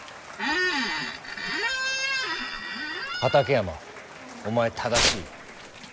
畠山お前正しい。